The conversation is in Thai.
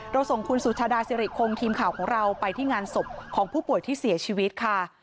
ส่งคุณสุชาดาสิริคงทีมข่าวของเราไปที่งานศพของผู้ป่วยที่เสียชีวิตค่ะ